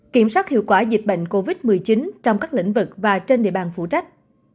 kiểm soát hiệu quả dịch bệnh covid một mươi chín trong các lĩnh vực và trên địa bàn phụ trách